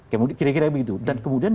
kemudian kira kira begitu dan kemudian